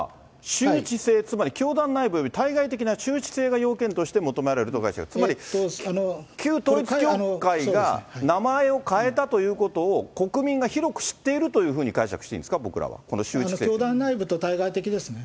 周知性、つまり教団内部および対外的な周知性が要件として求められると、つまり、旧統一教会が名前を変えたということを国民が広く知っているというふうに解釈していいんですか、僕らは。教団内部と対外的ですね。